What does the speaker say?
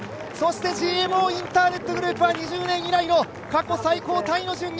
ＧＭＯインターネットグループは２０年以来の過去最高タイの順位に。